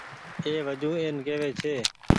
اي وجون اين ڪيوي ڇي